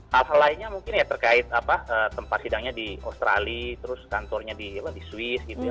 hal hal lainnya mungkin ya terkait tempat sidangnya di australia terus kantornya di swiss gitu ya